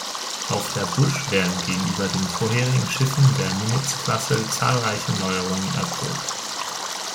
Auf der "Bush" werden gegenüber den vorherigen Schiffen der Nimitz-Klasse zahlreiche Neuerungen erprobt.